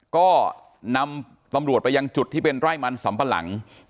ก็นำตำรวจไปยังจุดที่เป็นไร่มันสำปะหลัง